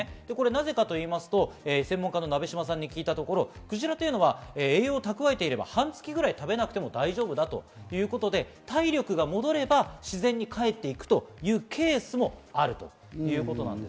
なぜかというと、専門家の鍋島さんに聞いたところ、クジラは栄養蓄えているのは、半月ぐらい食べなくても大丈夫だということで、体力が戻れば自然に帰っていくというケースもあるということです。